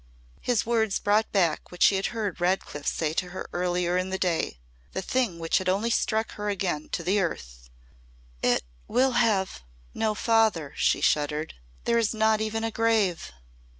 His words brought back what she had heard Redcliff say to her earlier in the day the thing which had only struck her again to the earth. "It will have no father," she shuddered. "There is not even a grave."